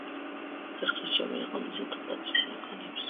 ხერხი სჯობია ღონესა თუ კაცი მოიგონებს.